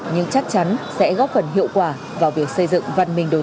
nhưng chắc chắn là một hành động đúng lúc